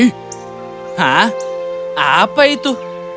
hah apa itu